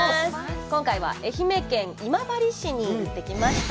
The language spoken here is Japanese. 今回は愛媛県今治市に行ってきました。